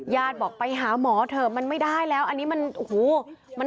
บอกไปหาหมอเถอะมันไม่ได้แล้วอันนี้มันโอ้โห